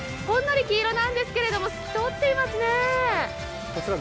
ほんのり黄色なんですけれども、透き通っていますね。